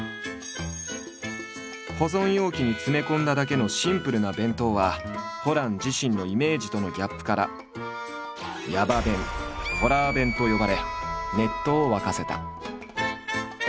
保存容器に詰め込んだだけのシンプルな弁当はホラン自身のイメージとのギャップから「ヤバ弁」「ホラー弁」と呼ばれネットを沸かせた。